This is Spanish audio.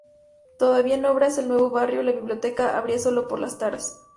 Todavía en obras el nuevo barrio, la biblioteca abría sólo por las tardes.